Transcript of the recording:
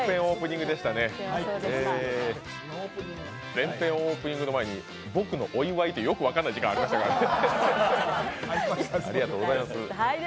全編オープニングの前に僕のお祝いというよく分かんない時間ありましたからね。